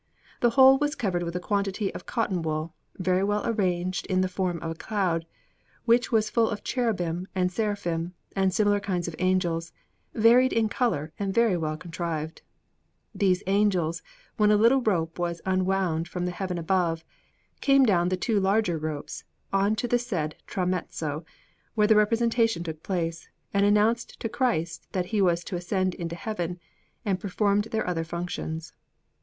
The whole was covered with a quantity of cotton wool, very well arranged in the form of a cloud, which was full of cherubim and seraphim, and similar kinds of angels, varied in colour and very well contrived. These angels, when a little rope was unwound from the Heaven above, came down the two larger ropes on to the said tramezzo, where the representation took place, and announced to Christ that He was to ascend into Heaven, and performed their other functions.